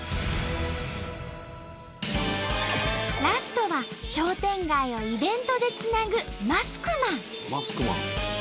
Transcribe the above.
ラストは商店街をイベントでつなぐマスクマン。